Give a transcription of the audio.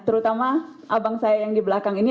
terutama abang saya yang di belakang ini